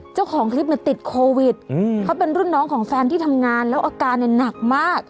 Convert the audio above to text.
เจ้าของคลิปเนี่ยติดโควิดเขาเป็นรุ่นน้องของแฟนที่ทำงานแล้วอาการเนี่ยหนักมาก